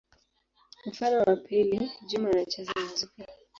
Mfano wa pili: Juma anacheza muziki.